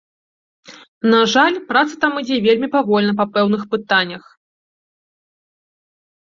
На жаль, праца там ідзе вельмі павольна па пэўных пытаннях.